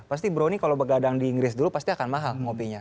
pasti bro ini kalau bergadang di inggris dulu pasti akan mahal kopinya